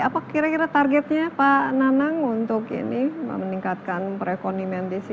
apa kira kira targetnya pak nanang untuk ini meningkatkan perekonomian di sini